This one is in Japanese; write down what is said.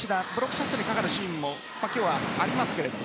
シャットにかかるシーンも今日はありますが。